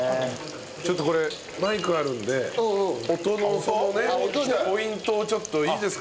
ちょっとこれマイクあるんで音のそのねポイントをちょっといいですか？